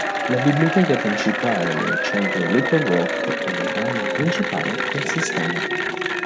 La Biblioteca principale nel centro di Little Rock è il ramo principale del sistema.